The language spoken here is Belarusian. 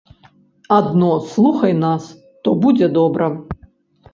Адно слухай нас, то будзе добра.